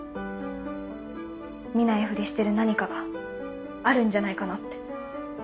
見ないフリしてる何かがあるんじゃないかなって。